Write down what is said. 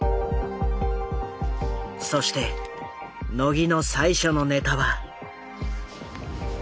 そして野木の最初のネタは。